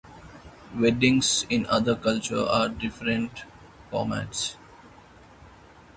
Weddings in other cultures have different formats.